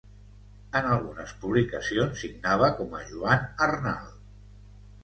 En algunes publicacions signava com a Joan Arnal.